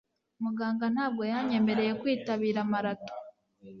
muganga ntabwo yanyemereye kwitabira marato